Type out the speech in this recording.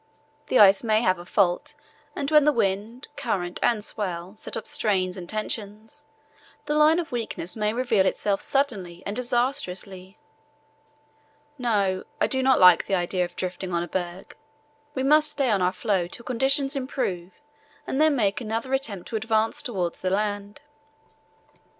The ice may have a fault, and when the wind, current, and swell set up strains and tensions, the line of weakness may reveal itself suddenly and disastrously. No, I do not like the idea of drifting on a berg. We must stay on our floe till conditions improve and then make another attempt to advance towards the land."